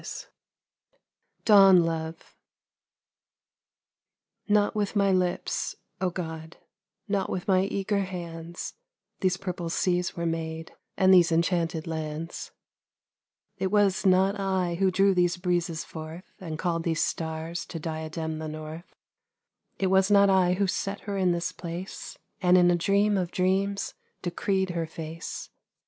62 DAWN LOVE NOT with my lips, O God, not with my eager hands These purple seas were made and these enchanted lands, It was not I who drew these breezes forth And called these stars to diadem the north, It was not I who set her in this place, And in a dream of dreams decreed her face.